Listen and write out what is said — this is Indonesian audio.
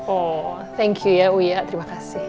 oh thank you ya uya terima kasih